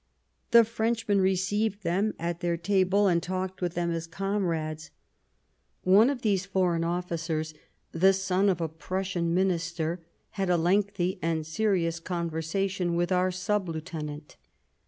The Frenchmen received them at their table and talked with them as comrades. One of these foreign officers, the son of a Prussian Minister, had a lengthy and serious conversation with our sub lieutenant.